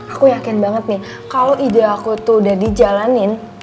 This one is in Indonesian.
aku yakin banget nih kalau ide aku tuh udah dijalanin